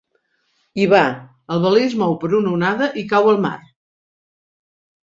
Hi va, el veler es mou per una onada i cau al mar.